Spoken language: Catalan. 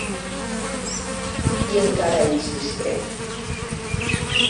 I encara ets discret.